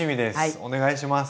お願いします。